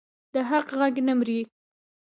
د حق غږ نه مري